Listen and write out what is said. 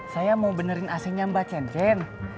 saya mau benerin ac nya mbak cen cen